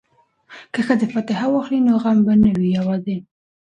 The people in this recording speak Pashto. که ښځې فاتحه واخلي نو غم به نه وي یوازې.